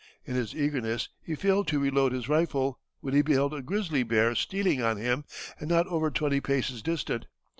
In his eagerness he failed to reload his rifle, when he beheld a grizzly bear stealing on him and not over twenty paces distant.